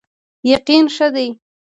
یقین ښه دی.